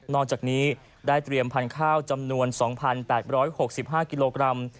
จากนี้ได้เตรียมพันธุ์ข้าวจำนวน๒๘๖๕กิโลกรัม